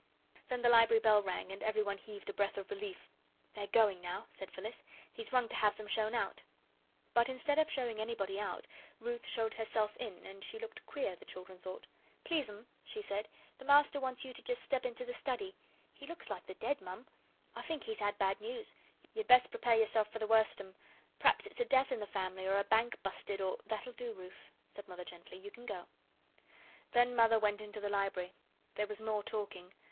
Then the Library bell rang, and everyone heaved a breath of relief. "They're going now," said Phyllis; "he's rung to have them shown out." But instead of showing anybody out, Ruth showed herself in, and she looked queer, the children thought. "Please'm," she said, "the Master wants you to just step into the study. He looks like the dead, mum; I think he's had bad news. You'd best prepare yourself for the worst, 'm p'raps it's a death in the family or a bank busted or " "That'll do, Ruth," said Mother gently; "you can go." Then Mother went into the Library. There was more talking.